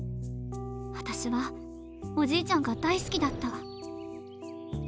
私はおじいちゃんが大好きだった。